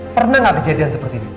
pernah nggak kejadian seperti ini